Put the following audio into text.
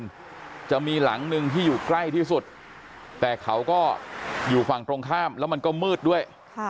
มันจะมีหลังหนึ่งที่อยู่ใกล้ที่สุดแต่เขาก็อยู่ฝั่งตรงข้ามแล้วมันก็มืดด้วย